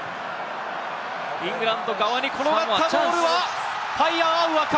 イングランド側に転がったボールはパイアアウアか。